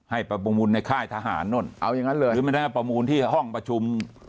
ให้ประมูลในค่ายทหารนั่นหรือประมูลที่ห้องประชุม